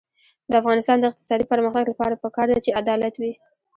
د افغانستان د اقتصادي پرمختګ لپاره پکار ده چې عدالت وي.